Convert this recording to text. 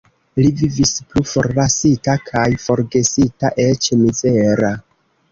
Li vivis plu forlasita kaj forgesita, eĉ mizera.